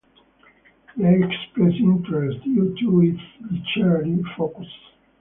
They expressed interest due to its literary focus.